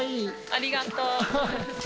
ありがとう。